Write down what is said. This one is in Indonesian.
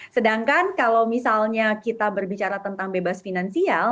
sedangkan kalau misalnya kita berbicara tentang bebas finansial